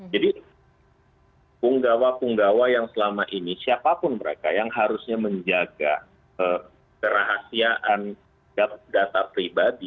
jadi punggawa punggawa yang selama ini siapapun mereka yang harusnya menjaga kerahasiaan data pribadi